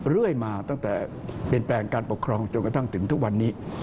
เรื่อยมาตั้งแต่เปลี่ยนแปลงการปกครองจนกระทั่งถึงทุกวันนี้